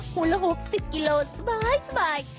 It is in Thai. หุลหกสิบกิโลสบาย